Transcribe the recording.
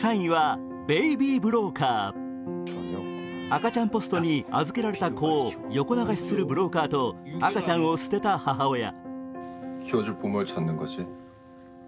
赤ちゃんポストに預けられた子を横流しするブローカーと赤ちゃんを捨てた母親。